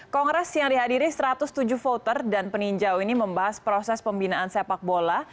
kongres yang dihadiri satu ratus tujuh voter dan peninjau ini membahas proses pembinaan sepak bola